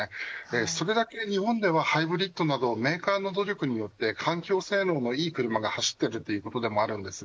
それだけ日本ではハイブリッドなどメーカーの努力によって環境性能のいい車が走っているということでもあります。